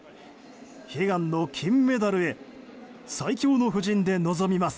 悲願の金メダルへ最強の布陣で臨みます。